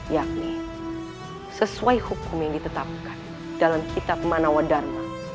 yakni sesuai hukum yang ditetapkan dalam kitab manawadharma